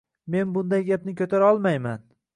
Men bunday gapni ko'tara olmayman.